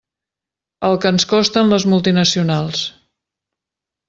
El que ens costen les multinacionals.